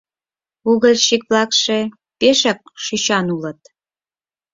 Угольщик-влакше пешак шӱчан улыт.